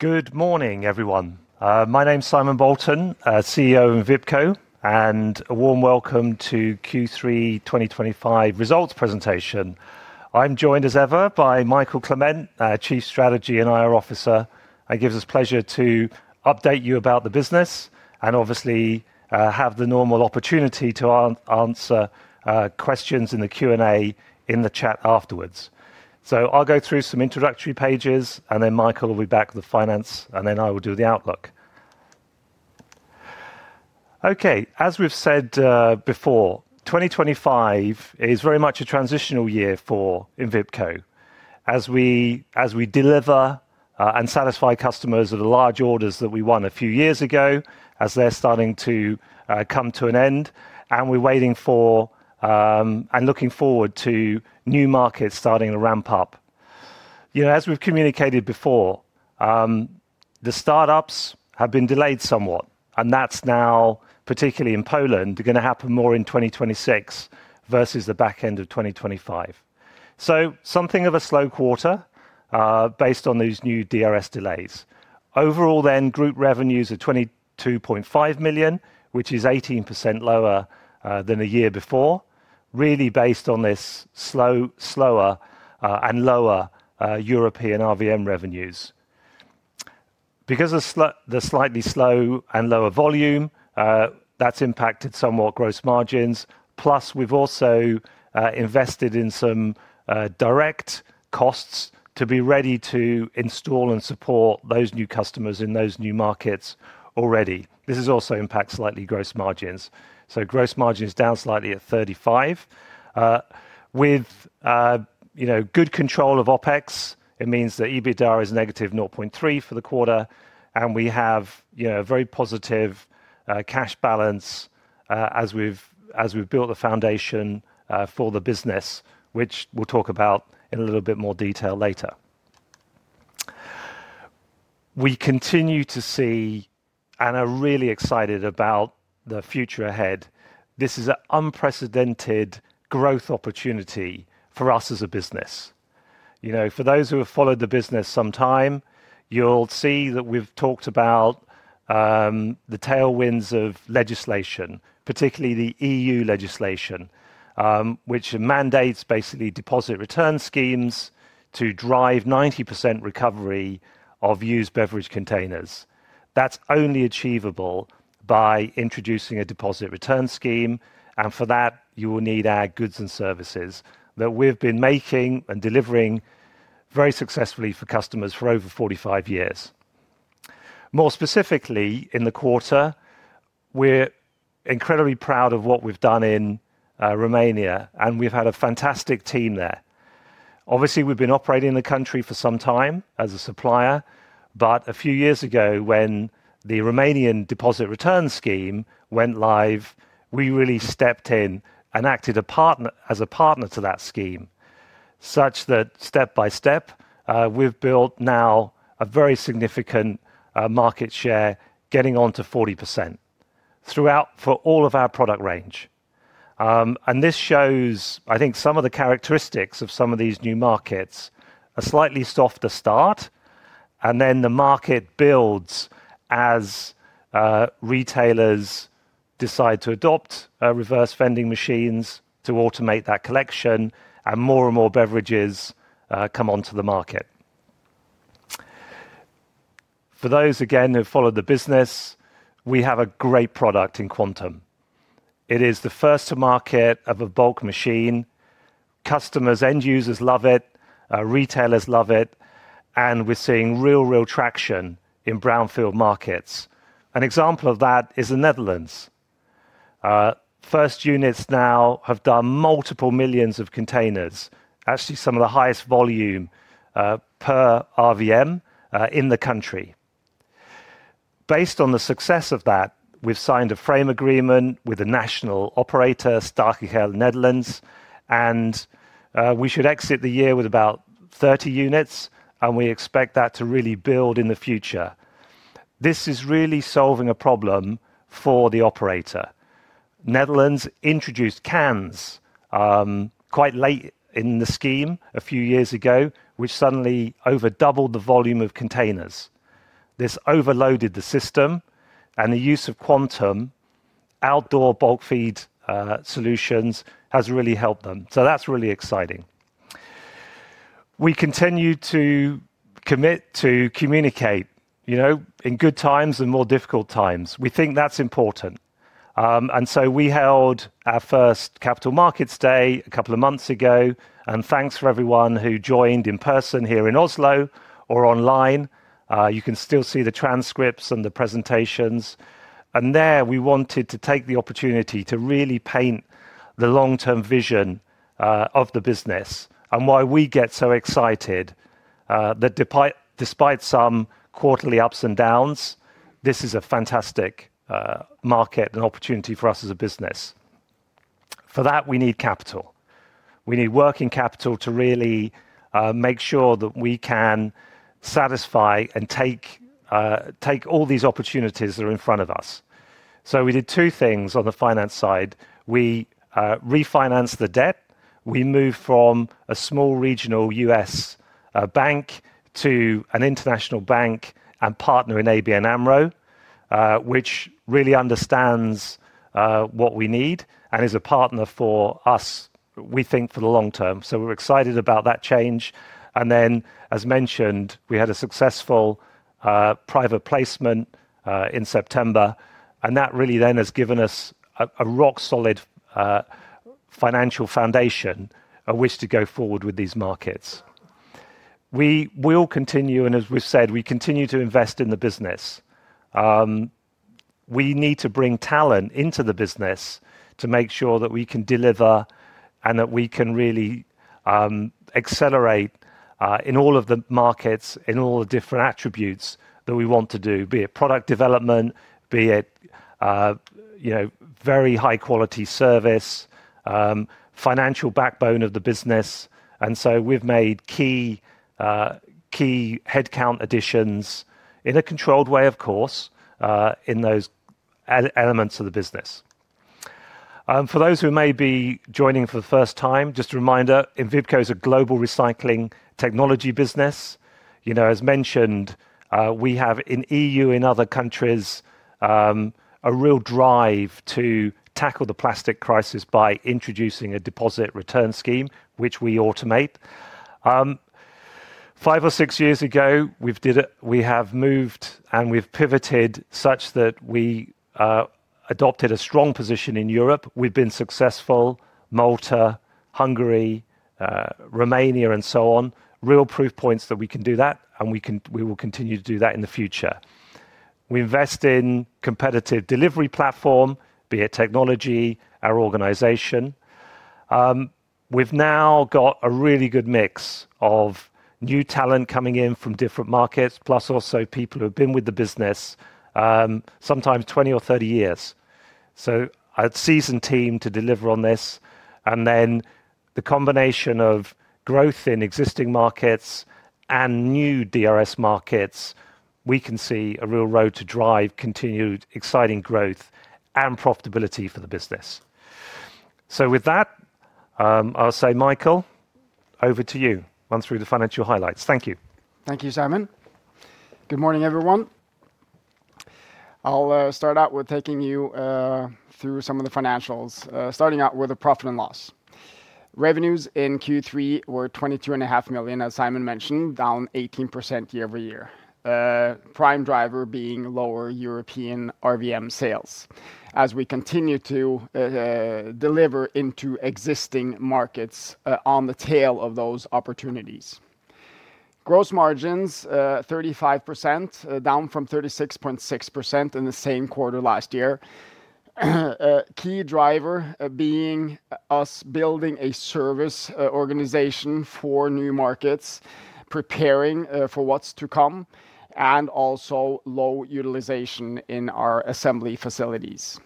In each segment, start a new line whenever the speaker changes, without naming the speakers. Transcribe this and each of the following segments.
Good morning, everyone. My name's Simon Bolton, CEO of Envipco, and a warm welcome to Q3 2025 results presentation. I'm joined, as ever, by Mikael Clement, Chief Strategy and IR Officer. That gives us pleasure to update you about the business and, obviously, have the normal opportunity to answer questions in the Q&A in the chat afterwards. I will go through some introductory pages, and then Mikael will be back with the finance, and then I will do the outlook. As we've said before, 2025 is very much a transitional year for Envipco. As we deliver and satisfy customers of the large orders that we won a few years ago, as they're starting to come to an end, and we're waiting for and looking forward to new markets starting to ramp-up. You know, as we've communicated before, the startups have been delayed somewhat, and that's now, particularly in Poland, going to happen more in 2026 versus the back-end of 2025. Something of a slow quarter based on those new DRS delays. Overall, then, group revenues are 22.5 million, which is 18% lower than the year before, really based on this slower and lower European RVM revenues. Because of the slightly slow and lower volume, that's impacted somewhat gross margins. Plus, we've also invested in some direct costs to be ready to install and support those new customers in those new markets already. This also impacts slightly gross margins. Gross margins down slightly at 35%. With good control of OPEX, it means that EBITDA is -0.3 EUR million for the quarter, and we have a very positive cash balance as we've built the foundation for the business, which we'll talk about in a little bit more detail later. We continue to see, and are really excited about the future ahead. This is an unprecedented growth opportunity for us as a business. For those who have followed the business some time, you'll see that we've talked about the tail-winds of legislation, particularly the E.U. legislation, which mandates basically deposit return schemes to drive 90% recovery of used beverage containers. That's only achievable by introducing a deposit return scheme, and for that, you will need our goods and services that we've been making and delivering very successfully for customers for over 45 years. More specifically, in the quarter, we're incredibly proud of what we've done in Romania, and we've had a fantastic team there. Obviously, we've been operating in the country for some time as a supplier, but a few years ago, when the Romanian deposit return scheme went live, we really stepped in and acted as a partner to that scheme, such that step by step, we've built now a very significant market share, getting on to 40% throughout for all of our product range. This shows, I think, some of the characteristics of some of these new markets: a slightly softer start, and then the market builds as retailers decide to adopt reverse vending machines to automate that collection, and more and more beverages come onto the market. For those, again, who follow the business, we have a great product in Quantum. It is the first to market of a bulk machine. Customers, end users love it, retailers love it, and we're seeing real traction in brownfield markets. An example of that is the Netherlands. First units now have done multiple millions of containers, actually some of the highest volume per RVM in the country. Based on the success of that, we've signed a frame agreement with a national operator, Stichting Held Netherlands, and we should exit the year with about 30 units, and we expect that to really build in the future. This is really solving a problem for the operator. Netherlands introduced cans quite late in the scheme a few years ago, which suddenly over doubled the volume of containers. This overloaded the system, and the use of Quantum outdoor bulk feed solutions has really helped them. That's really exciting. We continue to commit to communicate in good times and more difficult times. We think that's important. We held our first Capital Markets Day a couple of months ago, and thanks for everyone who joined in person here in Oslo or online. You can still see the transcripts and the presentations. There we wanted to take the opportunity to really paint the long-term vision of the business and why we get so excited that despite some quarterly ups and downs, this is a fantastic market and opportunity for us as a business. For that, we need capital. We need working capital to really make sure that we can satisfy and take all these opportunities that are in front of us. We did two things on the finance side. We refinanced the debt. We moved from a small regional U.S. bank to an international bank and partner in ABN AMRO, which really understands what we need and is a partner for us, we think, for the long term. We are excited about that change. As mentioned, we had a successful private placement in September, and that really then has given us a rock-solid financial foundation on which to go forward with these markets. We will continue, and as we have said, we continue to invest in the business. We need to bring talent into the business to make sure that we can deliver and that we can really accelerate in all of the markets, in all the different attributes that we want to do, be it product development, be it very high-quality service, financial backbone of the business. We have made key headcount additions in a controlled way, of course, in those elements of the business. For those who may be joining for the first time, just a reminder, Envipco is a global recycling technology business. As mentioned, we have in E.U. and other countries a real drive to tackle the plastic crisis by introducing a deposit return scheme, which we automate. Five or six years ago, we have moved and we have pivoted such that we adopted a strong position in Europe. We have been successful: Malta, Hungary, Romania, and so on. Real proof points that we can do that, and we will continue to do that in the future. We invest in a competitive delivery platform, be it technology, our organization. We've now got a really good mix of new talent coming in from different markets, plus also people who have been with the business, sometimes 20 or 30 years. A seasoned team to deliver on this, and then the combination of growth in existing markets and new DRS markets, we can see a real road to drive continued exciting growth and profitability for the business. With that, I'll say, Mikael, over to you. Run through the financial highlights. Thank you.
Thank you, Simon. Good morning, everyone. I'll start out with taking you through some of the financials, starting out with the profit and loss. Revenues in Q3 were 22.5 million, as Simon mentioned, down 18% year-over-year, prime driver being lower European RVM sales, as we continue to deliver into existing markets on the tail of those opportunities. Gross margins, 35%, down from 36.6% in the same quarter last year. Key driver being us building a service organization for new markets, preparing for what's to come, and also low utilization in our assembly facilities.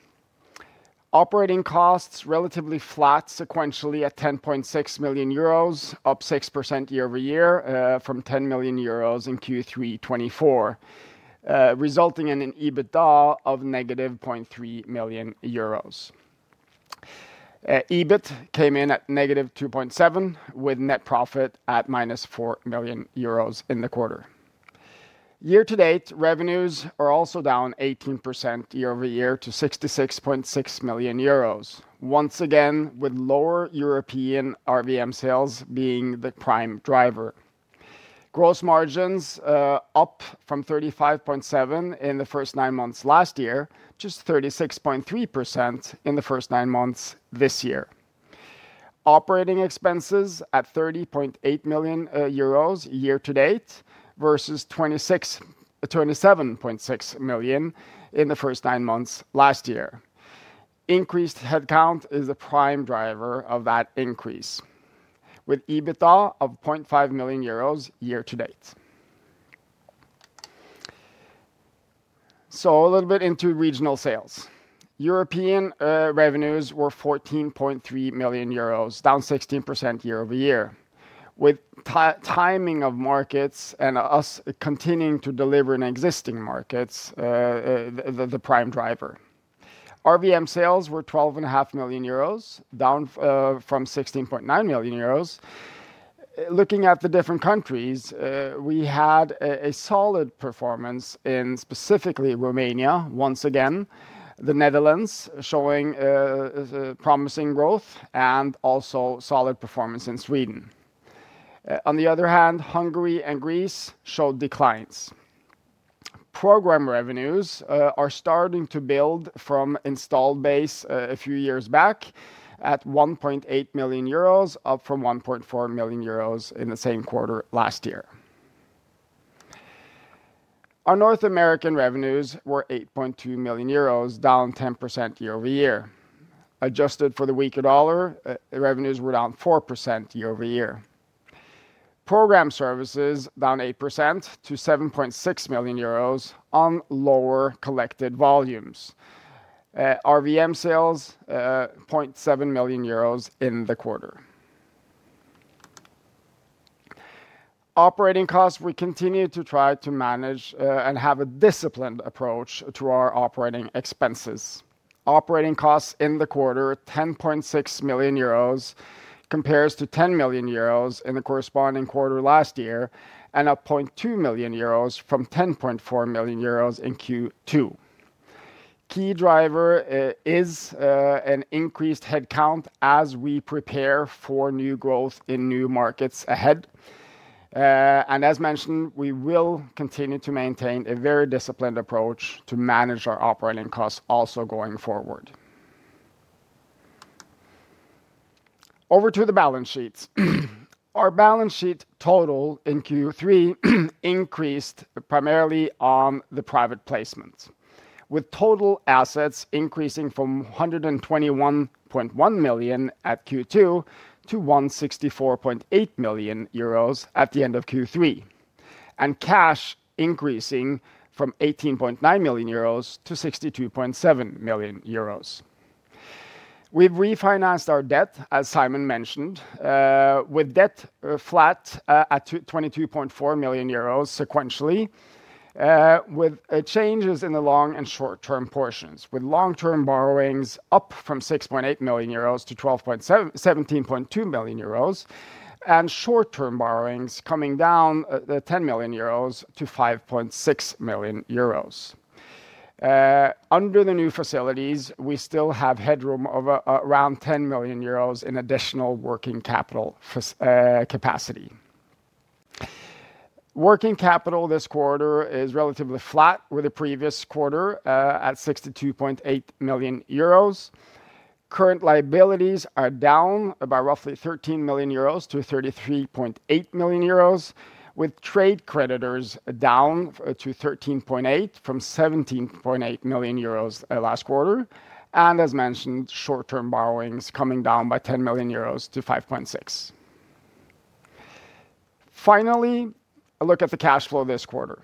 Operating costs relatively flat sequentially at 10.6 million euros, up 6% year-over-year from 10 million euros in Q3 2024, resulting in an EBITDA of -0.3 million euros. EBIT came in at -2.7 million, with net profit at -4 million euros in the quarter. Year to date, revenues are also down 18% year-over-year to 66.6 million euros, once again with lower European RVM sales being the prime driver. Gross margins up from 35.7% in the first nine months last year, just 36.3% in the first nine months this year. Operating expenses at 30.8 million euros year-to-date versus 27.6 million in the first nine months last year. Increased headcount is the prime driver of that increase, with EBITDA of EUR 0.5 million year-to-date. A little bit into regional sales. European revenues were 14.3 million euros, down 16% year-over-year, with timing of markets and us continuing to deliver in existing markets the prime driver. RVM sales were 12.5 million euros, down from 16.9 million euros. Looking at the different countries, we had a solid performance in specifically Romania, once again, the Netherlands showing promising growth and also solid performance in Sweden. On the other hand, Hungary and Greece showed declines. Program revenues are starting to build from installed base a few years back at 1.8 million euros, up from 1.4 million euros in the same quarter last year. Our North American revenues were 8.2 million euros, down 10% year-over-year. Adjusted for the weaker dollar, revenues were down 4% year-over-year. Program services down 8% to 7.6 million euros on lower collected volumes. RVM sales 0.7 million euros in the quarter. Operating costs, we continue to try to manage and have a disciplined approach to our operating expenses. Operating costs in the quarter, 10.6 million euros, compares to 10 million euros in the corresponding quarter last year and up 0.2 million euros from 10.4 million euros in Q2. Key driver is an increased headcount as we prepare for new growth in new markets ahead. As mentioned, we will continue to maintain a very disciplined approach to manage our operating costs also going forward. Over to the balance sheets. Our balance sheet total in Q3 increased primarily on the private placements, with total assets increasing from 121.1 million at Q2 to 164.8 million euros at the end of Q3, and cash increasing from 18.9 million euros to 62.7 million euros. We've refinanced our debt, as Simon mentioned, with debt flat at 22.4 million euros sequentially, with changes in the long and short-term portions, with long-term borrowings up from 6.8 million euros to 17.2 million euros and short-term borrowings coming down 10 million euros to 5.6 million euros. Under the new facilities, we still have headroom of around 10 million euros in additional working capital capacity. Working capital this quarter is relatively flat with the previous quarter at 62.8 million euros. Current liabilities are down by roughly 13 million euros to 33.8 million euros, with trade creditors down to 13.8 million from 17.8 million euros last quarter. As mentioned, short-term borrowings coming down by 10 million euros to 5.6 million. Finally, a look at the cash flow this quarter.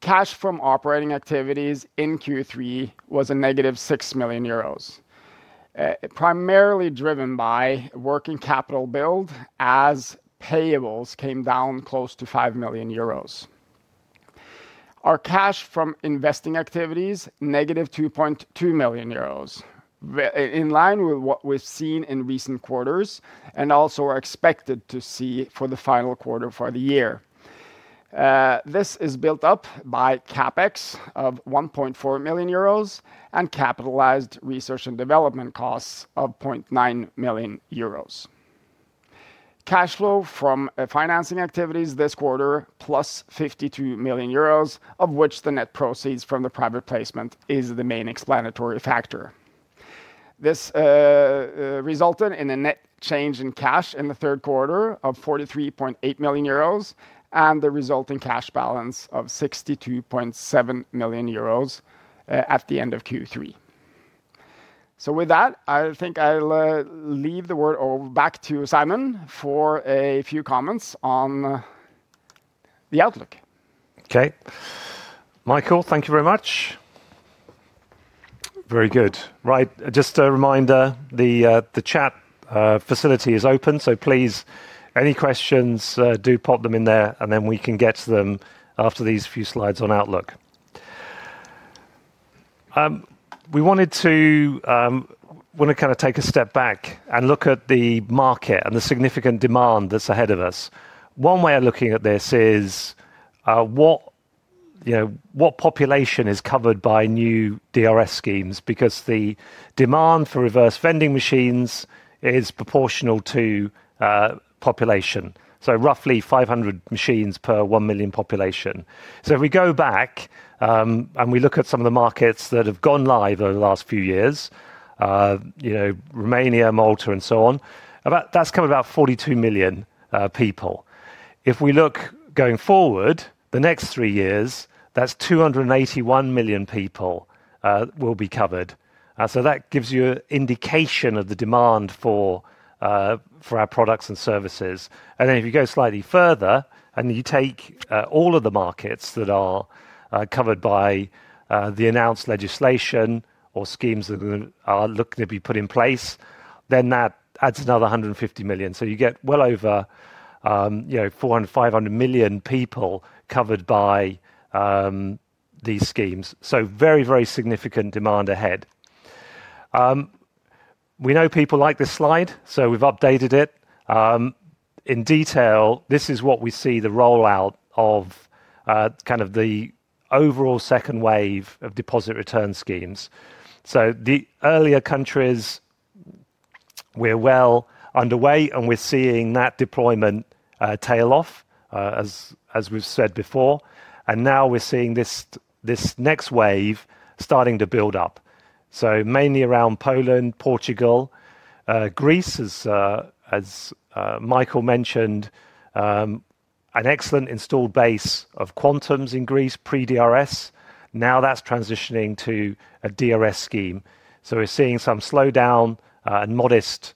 Cash from operating activities in Q3 was a negative 6 million euros, primarily driven by working capital build as payables came down close to 5 million euros. Our cash from investing activities, -2.2 million euros, in line with what we've seen in recent quarters and also are expected to see for the final quarter for the year. This is built up by CapEx of 1.4 million euros and capitalized research and development costs of 0.9 million euros. Cash flow from financing activities this quarter, +52 million euros, of which the net proceeds from the private placement is the main explanatory factor. This resulted in a net change in cash in the Q3 of 43.8 million euros and the resulting cash balance of 62.7 million euros at the end of Q3. With that, I think I'll leave the word over back to Simon for a few comments on the outlook.
Okay. Mikael, thank you very much. Very good. Right, just a reminder, the chat facility is open, so please, any questions, do pop them in there, and then we can get to them after these few slides on Outlook. We wanted to kind of take a step back and look at the market and the significant demand that's ahead of us. One way of looking at this is what population is covered by new DRS schemes, because the demand for reverse vending machines is proportional to population, so roughly 500 machines per 1 million population. If we go back and we look at some of the markets that have gone live over the last few years, Romania, Malta, and so on, that's covered about 42 million people. If we look going forward, the next three years, that's 281 million people will be covered. That gives you an indication of the demand for our products and services. If you go slightly further and you take all of the markets that are covered by the announced legislation or schemes that are looking to be put in place, that adds another 150 million. You get well over 400-500 million people covered by these schemes. Very, very significant demand ahead. We know people like this slide, so we've updated it. In detail, this is what we see as the rollout of the overall second wave of deposit return schemes. The earlier countries, we're well underway, and we're seeing that deployment tail off, as we've said before. Now we're seeing this next wave starting to build up, mainly around Poland, Portugal, Greece, as Mikael mentioned, an excellent installed base of Quantums in Greece pre-DRS. Now that's transitioning to a DRS scheme. We're seeing some slowdown and modest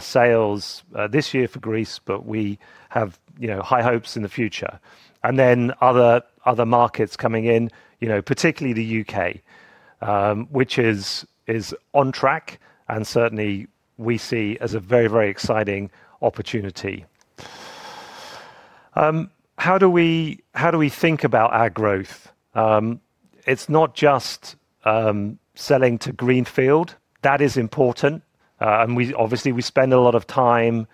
sales this year for Greece, but we have high hopes in the future. Other markets are coming in, particularly the U.K., which is on track and certainly we see as a very, very exciting opportunity. How do we think about our growth? It's not just selling to Greenfield. That is important. Obviously, we spend a lot of time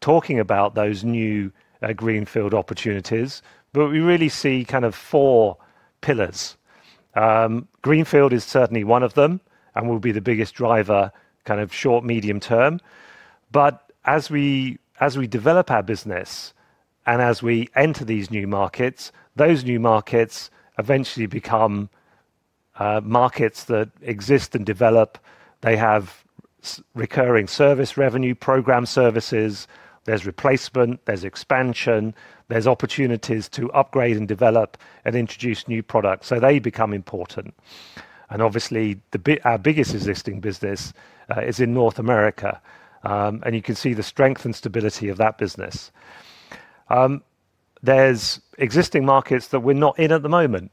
talking about those new Greenfield opportunities, but we really see kind of four pillars. Greenfield is certainly one of them and will be the biggest driver short, medium-term. As we develop our business and as we enter these new markets, those new markets eventually become markets that exist and develop. They have recurring service revenue, program services. There's replacement, there's expansion, there's opportunities to upgrade and develop and introduce new products. They become important. Obviously, our biggest existing business is in North America. You can see the strength and stability of that business. There are existing markets that we're not in at the moment.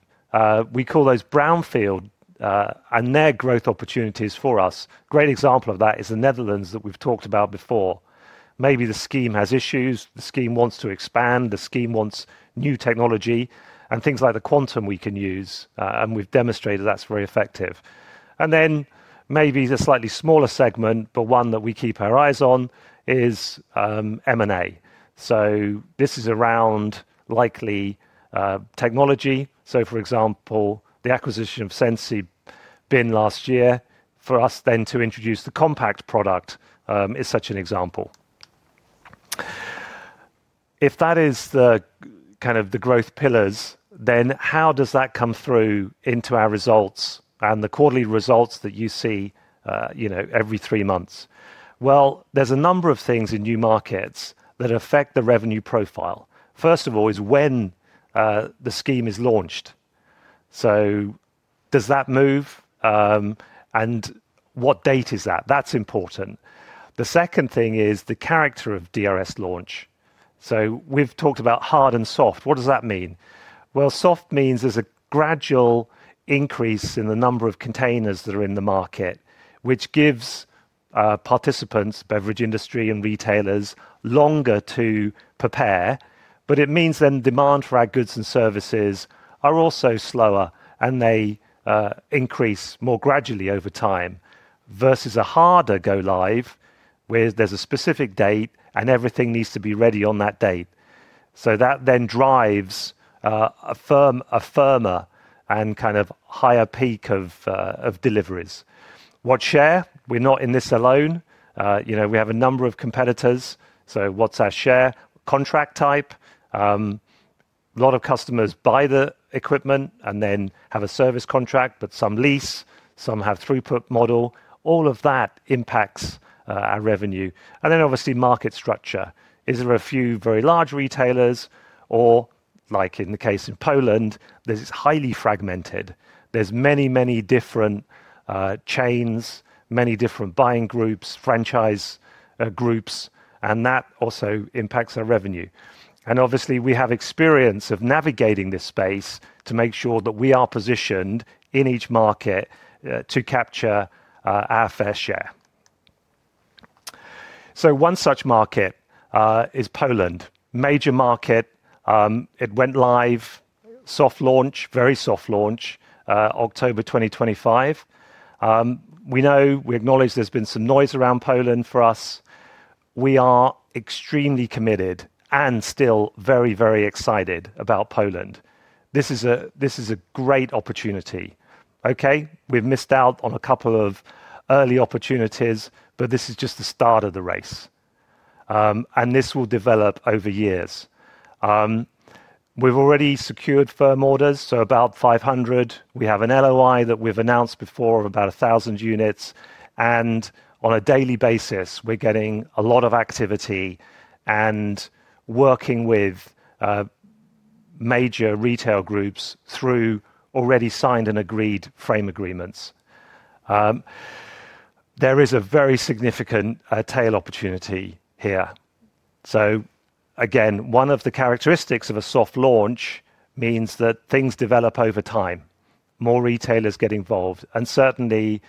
We call those brownfield, and they're growth opportunities for us. A great example of that is the Netherlands that we've talked about before. Maybe the scheme has issues. The scheme wants to expand. The scheme wants new technology, and things like the Quantum we can use. We've demonstrated that's very effective. Maybe the slightly smaller segment, but one that we keep our eyes on, is M&A. This is around likely technology. For example, the acquisition of Sensibin last year for us then to introduce the Compact product is such an example. If that is kind of the growth pillars, then how does that come through into our results and the quarterly results that you see every three months? There are a number of things in new markets that affect the revenue profile. First of all is when the scheme is launched. Does that move? What date is that? That is important. The second thing is the character of DRS launch. We have talked about hard and soft. What does that mean? Soft means there is a gradual increase in the number of containers that are in the market, which gives participants, beverage industry and retailers, longer to prepare. It means then demand for our goods and services is also slower and increases more gradually over time versus a harder go-live where there is a specific date and everything needs to be ready on that date. That then drives a firmer and kind of higher peak of deliveries. What share? We're not in this alone. We have a number of competitors. What's our share? Contract type. A lot of customers buy the equipment and then have a service contract, but some lease, some have throughput model. All of that impacts our revenue. Obviously market structure. Is there a few very large retailers or, like in the case in Poland, this is highly fragmented. There are many, many different chains, many different buying groups, franchise groups, and that also impacts our revenue. Obviously we have experience of navigating this space to make sure that we are positioned in each market to capture our fair share. One such market is Poland. Major market. It went live, soft launch, very soft launch, October 2025. We know, we acknowledge there's been some noise around Poland for us. We are extremely committed and still very, very excited about Poland. This is a great opportunity. Okay, we've missed out on a couple of early opportunities, but this is just the start of the race. This will develop over years. We've already secured firm orders, so about 500. We have an LOI that we've announced before of about 1,000 units. On a daily basis, we're getting a lot of activity and working with major retail groups through already signed and agreed frame agreements. There is a very significant tail opportunity here. One of the characteristics of a soft launch means that things develop over time, more retailers get involved. Certainly,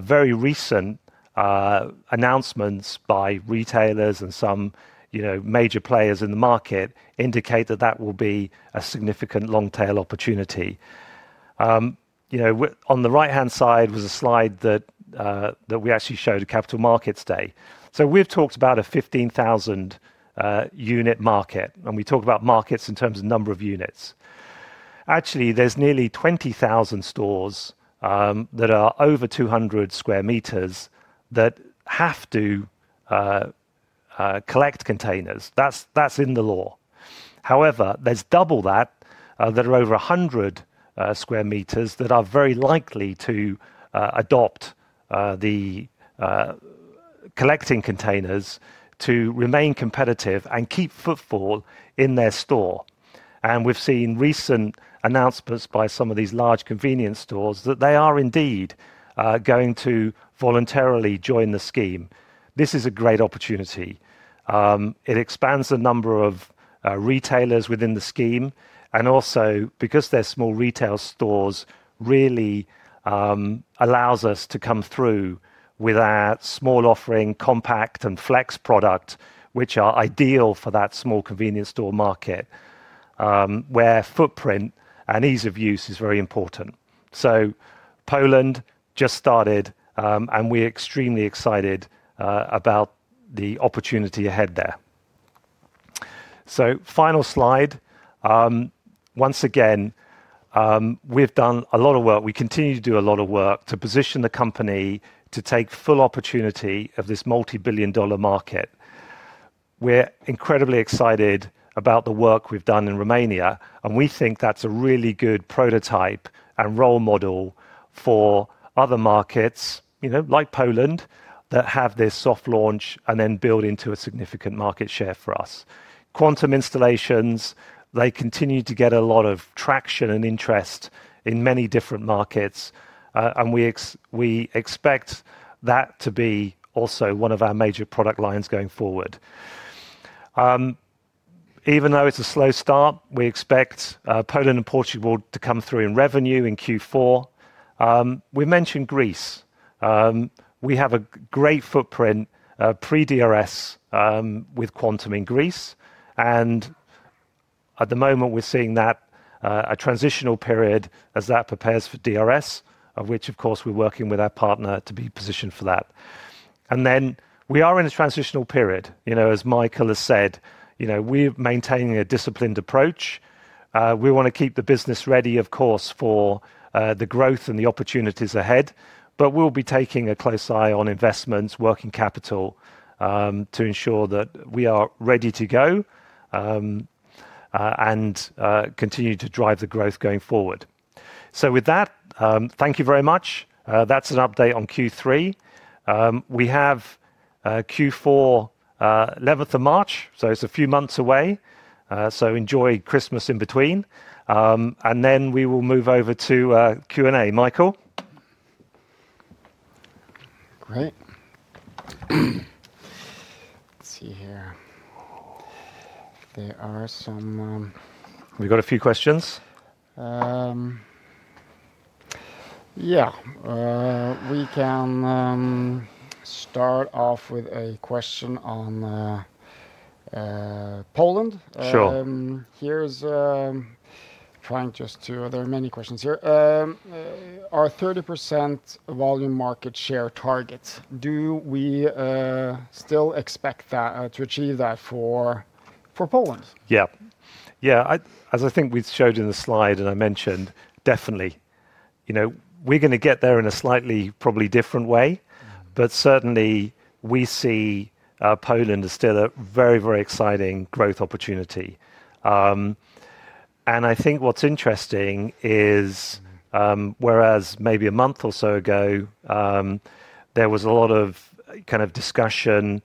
very recent announcements by retailers and some major players in the market indicate that that will be a significant long-tail opportunity. On the right-hand side was a slide that we actually showed at Capital Markets Day. We have talked about a 15,000 unit market, and we talk about markets in terms of number of units. Actually, there are nearly 20,000 stores that are over 200 sq m that have to collect containers. That is in the law. However, there is double that, that are over 100 sq m that are very likely to adopt the collecting containers to remain competitive and keep footfall in their store. We have seen recent announcements by some of these large convenience stores that they are indeed going to voluntarily join the scheme. This is a great opportunity. It expands the number of retailers within the scheme. Because they are small retail stores, it really allows us to come through with our small offering, Compact and Flex product, which are ideal for that small convenience store market where footprint and ease of use is very important. Poland just started, and we are extremely excited about the opportunity ahead there. Final slide. Once again, we have done a lot of work. We continue to do a lot of work to position the company to take full opportunity of this multi-billion dollar market. We are incredibly excited about the work we have done in Romania, and we think that is a really good prototype and role model for other markets like Poland that have this soft launch and then build into a significant market share for us. Quantum installations, they continue to get a lot of traction and interest in many different markets, and we expect that to be also one of our major product lines going forward. Even though it's a slow start, we expect Poland and Portugal to come through in revenue in Q4. We mentioned Greece. We have a great footprint pre-DRS with Quantum in Greece. At the moment, we're seeing that a transitional period as that prepares for DRS, of which, of course, we're working with our partner to be positioned for that. We are in a transitional period. As Mikael has said, we're maintaining a disciplined approach. We want to keep the business ready, of course, for the growth and the opportunities ahead, but we'll be taking a close eye on investments, working capital to ensure that we are ready to go and continue to drive the growth going forward. With that, thank you very much. That's an update on Q3. We have Q4, 11th of March, so it's a few months away. Enjoy Christmas in between. We will move over to Q&A. Mikael?
Great. Let's see here. There are some...
We've got a few questions.
Yeah. We can start off with a question on Poland. Here's trying just to... There are many questions here. Our 30% volume market share target, do we still expect to achieve that for Poland?
Yeah. Yeah. As I think we've showed in the slide and I mentioned, definitely. We're going to get there in a slightly probably different way, but certainly we see Poland as still a very, very exciting growth opportunity. I think what's interesting is whereas maybe a month or so ago, there was a lot of kind of discussion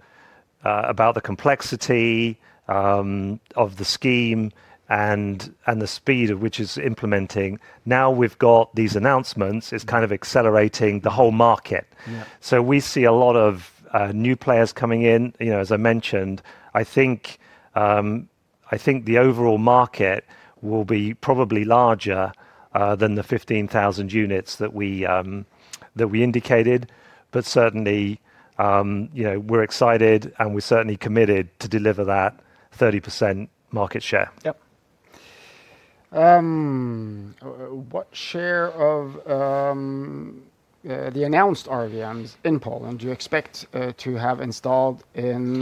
about the complexity of the scheme and the speed of which it's implementing. Now we've got these announcements, it's kind of accelerating the whole market. We see a lot of new players coming in. As I mentioned, I think the overall market will be probably larger than the 15,000 units that we indicated. Certainly, we're excited and we're certainly committed to deliver that 30% market share.
Yep. What share of the announced RVMs in Poland do you expect to have installed in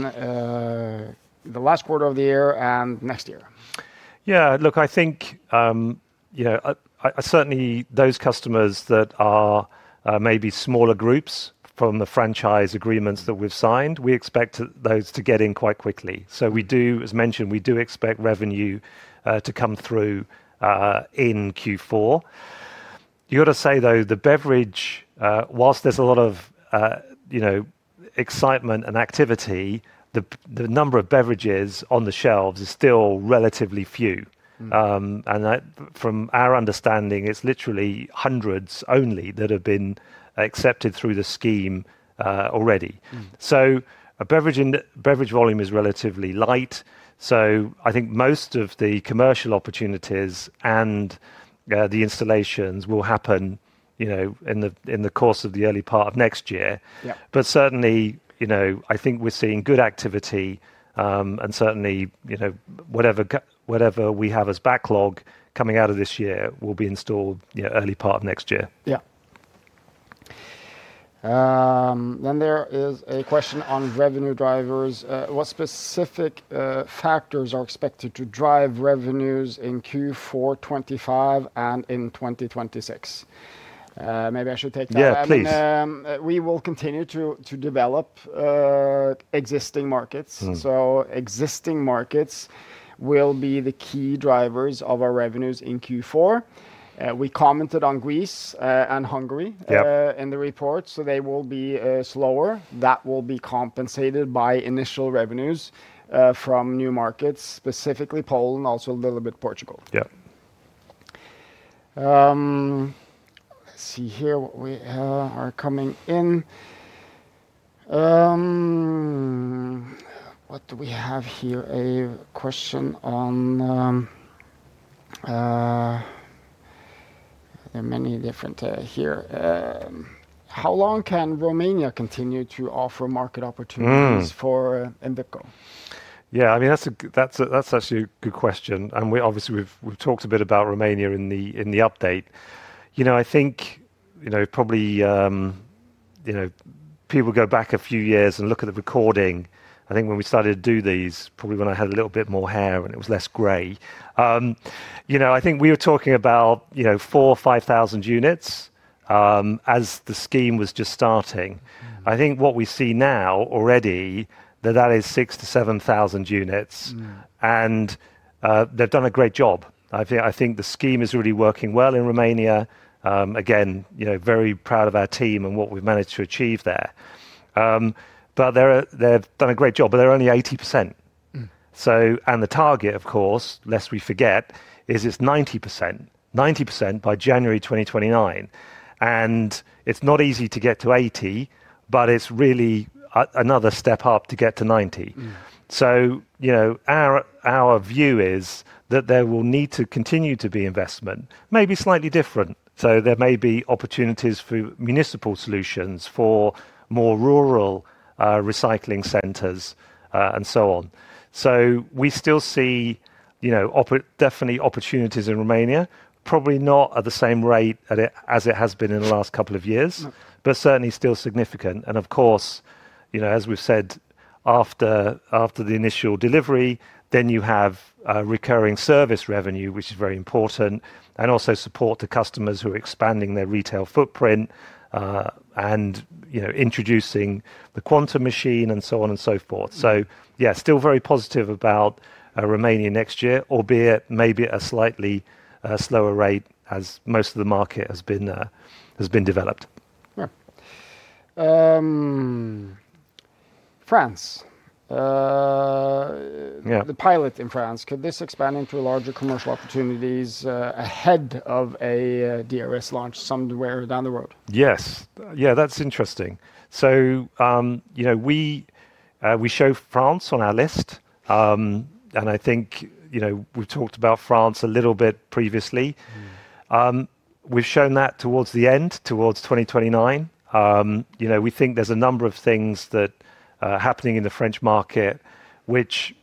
the last quarter of the year and next year?
Yeah. Look, I think certainly those customers that are maybe smaller groups from the franchise agreements that we've signed, we expect those to get in quite quickly. As mentioned, we do expect revenue to come through in Q4. You've got to say though, the beverage, whilst there's a lot of excitement and activity, the number of beverages on the shelves is still relatively few. From our understanding, it's literally hundreds only that have been accepted through the scheme already. Beverage volume is relatively light. I think most of the commercial opportunities and the installations will happen in the course of the early part of next year. Certainly, I think we're seeing good activity and certainly whatever we have as backlog coming out of this year will be installed early part of next year.
Yeah. There is a question on revenue drivers. What specific factors are expected to drive revenues in Q4 2025 and in 2026? Maybe I should take that.
Yeah, please.
We will continue to develop existing markets. Existing markets will be the key drivers of our revenues in Q4. We commented on Greece and Hungary in the report. They will be slower. That will be compensated by initial revenues from new markets, specifically Poland, also a little bit Portugal.
Yep.
Let's see here what we are coming in. What do we have here? A question on many different here. How long can Romania continue to offer market opportunities for Envipco?
Yeah, I mean, that's actually a good question. Obviously, we've talked a bit about Romania in the update. I think probably people go back a few years and look at the recording. I think when we started to do these, probably when I had a little bit more hair and it was less gray. I think we were talking about 4,000-5,000 units as the scheme was just starting. I think what we see now already, that is 6,000-7,000 units. They've done a great job. I think the scheme is really working well in Romania. Again, very proud of our team and what we've managed to achieve there. They've done a great job, but they're only 80%. The target, of course, lest we forget, is 90%, 90% by January 2029. It is not easy to get to 80%, but it is really another step up to get to 90%. Our view is that there will need to continue to be investment, maybe slightly different. There may be opportunities for municipal solutions for more rural recycling centers and so on. We still see definitely opportunities in Romania, probably not at the same rate as it has been in the last couple of years, but certainly still significant. Of course, as we have said, after the initial delivery, then you have recurring service revenue, which is very important, and also support to customers who are expanding their retail footprint and introducing the Quantum machine and so on and so forth. We are still very positive about Romania next year, albeit maybe at a slightly slower rate as most of the market has been developed.
Yeah. France. The pilot in France, could this expand into larger commercial opportunities ahead of a DRS launch somewhere down the road?
Yes. Yeah, that's interesting. We show France on our list. I think we've talked about France a little bit previously. We've shown that towards the end, towards 2029. We think there's a number of things that are happening in the French market, which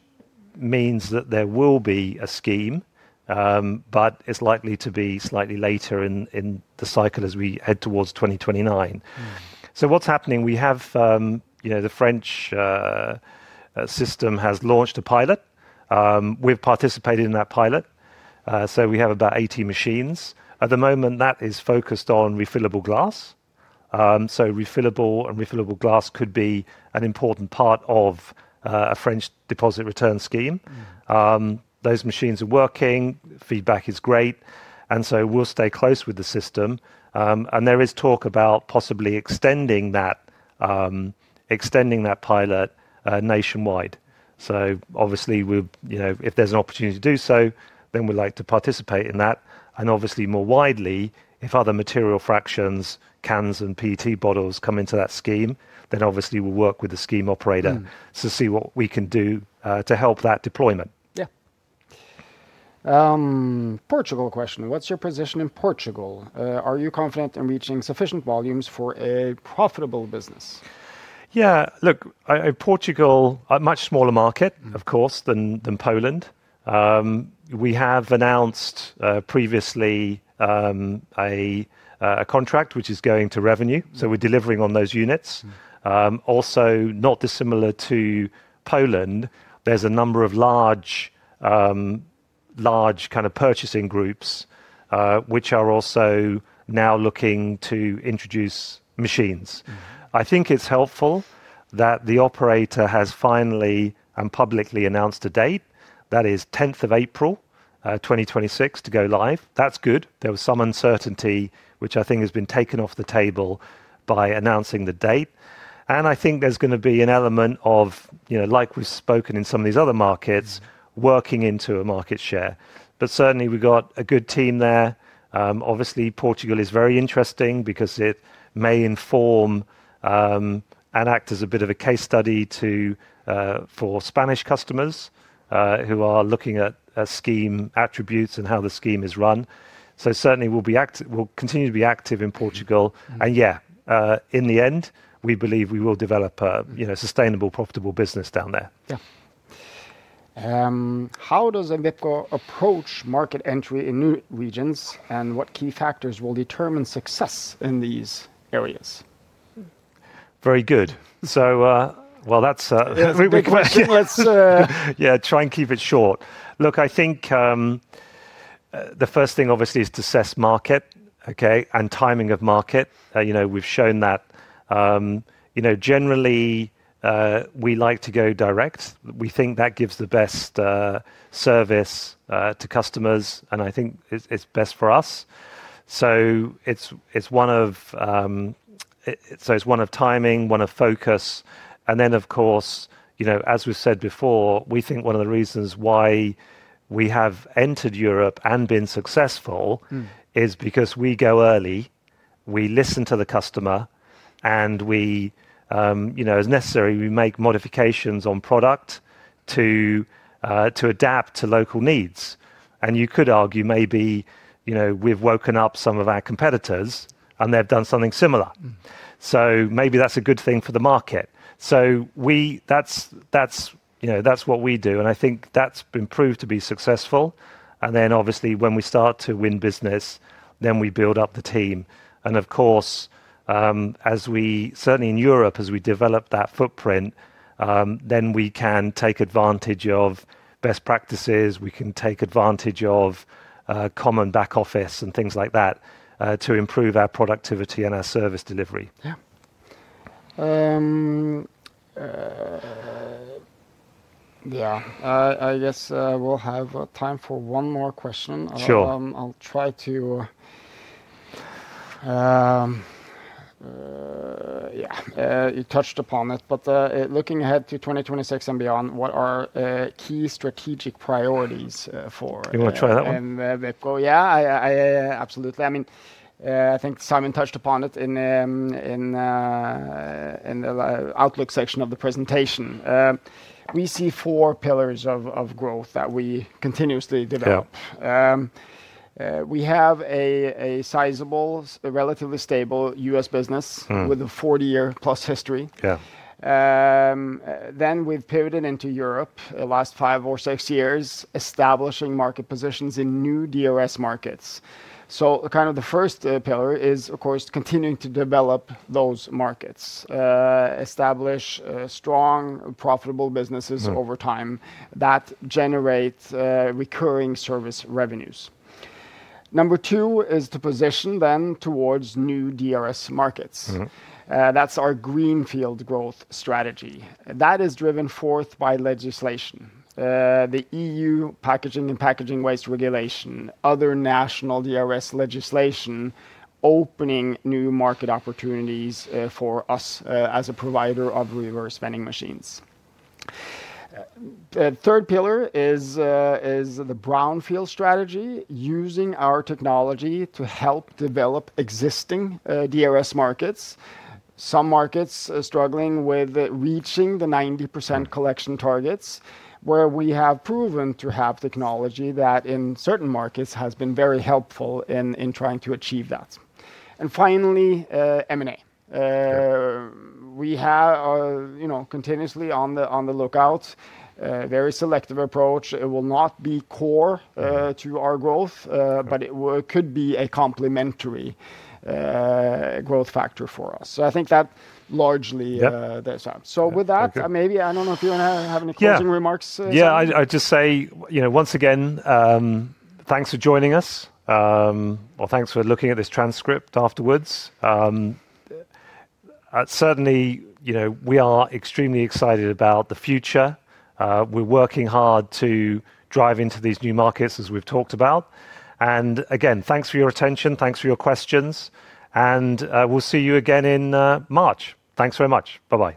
means that there will be a scheme, but it's likely to be slightly later in the cycle as we head towards 2029. What's happening? The French system has launched a pilot. We've participated in that pilot. We have about 80 machines. At the moment, that is focused on refillable glass. Refillable and refillable glass could be an important part of a French deposit return scheme. Those machines are working. Feedback is great. We'll stay close with the system. There is talk about possibly extending that pilot nationwide. If there is an opportunity to do so, then we would like to participate in that. Obviously, more widely, if other material fractions, cans, and PET bottles come into that scheme, then we will work with the scheme operator to see what we can do to help that deployment.
Yeah. Portugal question. What's your position in Portugal? Are you confident in reaching sufficient volumes for a profitable business?
Yeah. Look, Portugal, a much smaller market, of course, than Poland. We have announced previously a contract which is going to revenue. So we're delivering on those units. Also, not dissimilar to Poland, there's a number of large kind of purchasing groups which are also now looking to introduce machines. I think it's helpful that the operator has finally and publicly announced a date. That is 10th of April 2026 to go live. That's good. There was some uncertainty, which I think has been taken off the table by announcing the date. I think there's going to be an element of, like we've spoken in some of these other markets, working into a market share. But certainly, we've got a good team there. Obviously, Portugal is very interesting because it may inform and act as a bit of a case study for Spanish customers who are looking at scheme attributes and how the scheme is run. Certainly, we'll continue to be active in Portugal. Yeah, in the end, we believe we will develop a sustainable, profitable business down there.
Yeah. How does Envipco approach market entry in new regions and what key factors will determine success in these areas?
Very good. That's a very big question. Yeah, try and keep it short. Look, I think the first thing obviously is to assess market and timing of market. We've shown that generally we like to go direct. We think that gives the best service to customers, and I think it's best for us. It's one of timing, one of focus. Of course, as we've said before, we think one of the reasons why we have entered Europe and been successful is because we go early, we listen to the customer, and as necessary, we make modifications on product to adapt to local needs. You could argue maybe we've woken up some of our competitors and they've done something similar. Maybe that's a good thing for the market. That's what we do. I think that's been proved to be successful. When we start to win business, then we build up the team. Of course, certainly in Europe, as we develop that footprint, we can take advantage of best practices. We can take advantage of common back office and things like that to improve our productivity and our service delivery.
Yeah. Yeah. I guess we'll have time for one more question.
Sure.
I'll try to... Yeah. You touched upon it, but looking ahead to 2026 and beyond, what are key strategic priorities for...
You want to try that one?
In Envipco? Yeah, absolutely. I mean, I think Simon touched upon it in the Outlook section of the presentation. We see four pillars of growth that we continuously develop. We have a sizable, relatively stable U.S. business with a 40-year plus history. I mean, we've pivoted into Europe the last five or six years, establishing market positions in new DRS markets. The first pillar is, of course, continuing to develop those markets, establish strong, profitable businesses over time that generate recurring service revenues. Number two is to position then towards new DRS markets. That's our greenfield growth strategy. That is driven forth by legislation, the E.U. Packaging and Packaging Waste Regulation, other national DRS legislation, opening new market opportunities for us as a provider of reverse vending machines. The third pillar is the brownfield strategy, using our technology to help develop existing DRS markets. Some markets are struggling with reaching the 90% collection targets, where we have proven to have technology that in certain markets has been very helpful in trying to achieve that. Finally, M&A. We are continuously on the lookout, very selective approach. It will not be core to our growth, but it could be a complementary growth factor for us. I think that largely there's that. With that, maybe I do not know if you have any closing remarks.
Yeah, I'd just say, once again, thanks for joining us, or thanks for looking at this transcript afterwards. Certainly, we are extremely excited about the future. We're working hard to drive into these new markets, as we've talked about. Again, thanks for your attention. Thanks for your questions. We'll see you again in March. Thanks very much. Bye-bye.